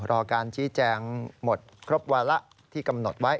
รอการชี้แจงหมดครบวาระที่กำหนดไว้